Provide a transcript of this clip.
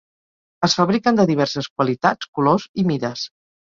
Es fabriquen de diverses qualitats, colors i mides.